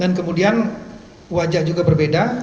dan kemudian wajah juga berbeda